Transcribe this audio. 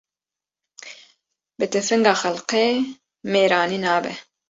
Bi tifinga xelkê mêrani nabe